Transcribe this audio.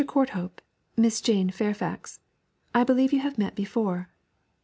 Courthope Miss Jane Fairfax I believe you have met before.'